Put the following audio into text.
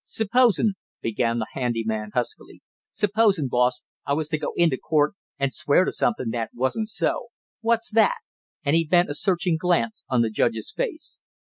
"Supposin' " began the handy man huskily, "supposin', boss, I was to go into court and swear to something that wasn't so; what's that?" and he bent a searching glance on the judge's face.